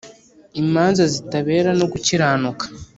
imanza zitabera no gukiranuka